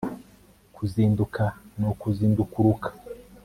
kuzinduka ni ukuzindukuruka